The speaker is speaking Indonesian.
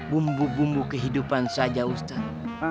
bumbu bumbu kehidupan saja ustadz